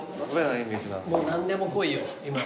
もう何でもこいよ今。